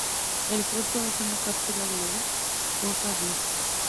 El fruto es una cápsula globosa, de.